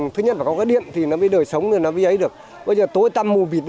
thứ nhất là có cái điện thì nó mới đời sống nó mới ấy được bây giờ tối tăm mùi vịt